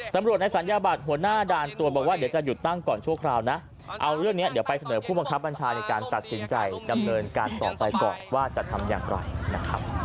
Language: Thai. ตำรวจในสัญญาบัตรหัวหน้าด่านตรวจบอกว่าเดี๋ยวจะหยุดตั้งก่อนชั่วคราวนะ